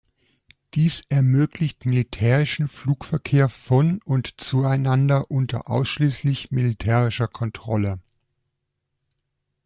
Dies ermöglicht militärischen Flugverkehr von- und zueinander unter ausschließlich militärischer Kontrolle.